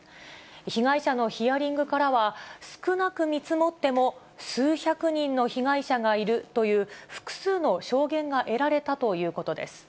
被害者のヒアリングからは、少なく見積もっても数百人の被害者がいるという複数の証言が得られたということです。